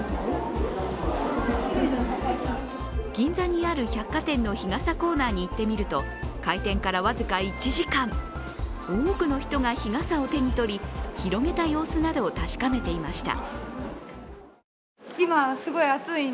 銀座にある百貨店の日傘コーナーに行ってみると開店から僅か１時間、多くの人が日傘を手に取り広げた様子などを確かめていました。